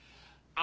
あ。